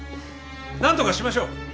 何とかしましょう。